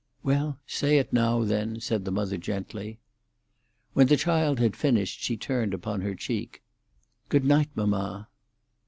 "Well, say it now, then," said the mother gently. When the child had finished she turned upon her cheek. "Good night, mamma."